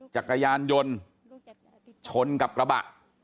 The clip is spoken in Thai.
จักรยานยนต์ชนกับกระบะ